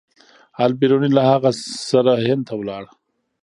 البیروني له هغه سره هند ته لاړ.